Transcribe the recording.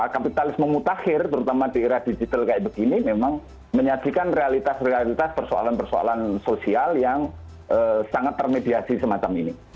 kapitalisme mutakhir terutama di era digital kayak begini memang menyajikan realitas realitas persoalan persoalan sosial yang sangat termediasi semacam ini